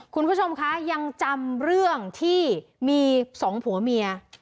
คุณผู้ชมคะยังจำเรื่องที่มีสองผัวเมีย